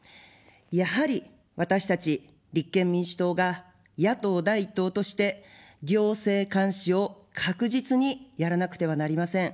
やはり私たち立憲民主党が野党第１党として行政監視を確実にやらなくてはなりません。